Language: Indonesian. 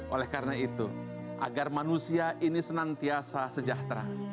oleh karena itu agar manusia ini senantiasa sejahtera